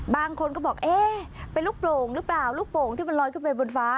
บางคนก็บอกเอ๊ะเป็นลูกโปร่งหรือเปล่าลูกโป่งที่มันลอยขึ้นไปบนฟ้า